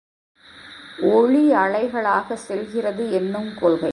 ஒளி அலைகளாகச் செல்கிறது என்னுங் கொள்கை.